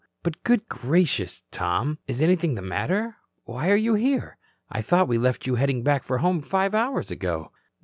"But, good gracious, Tom, is anything the matter? Why are you here? I thought we left you heading back for home five hours ago?"